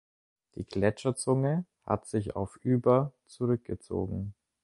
Die Gletscherzunge hat sich auf über zurückgezogen.